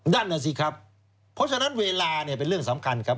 นั่นน่ะสิครับเพราะฉะนั้นเวลาเนี่ยเป็นเรื่องสำคัญครับ